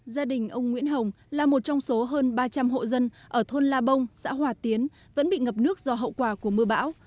gia đình ông nguyễn hồng là một trong số hơn ba trăm linh hộ dân ở thôn la bông xã hòa tiến vẫn bị ngập nước do hậu quả của mưa bão